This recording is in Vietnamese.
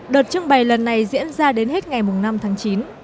đợt trưng bày lần này diễn ra đến hết ngày năm tháng chín